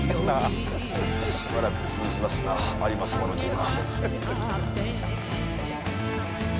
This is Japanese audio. しばらく続きますな有馬様の自慢。